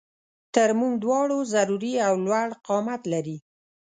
تر مونږ دواړو ضروري او لوړ قامت لري